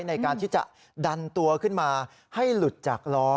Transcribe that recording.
ในการที่จะดันตัวขึ้นมาให้หลุดจากล้อ